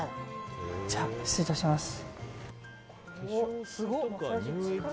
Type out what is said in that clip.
じゃあ失礼致します。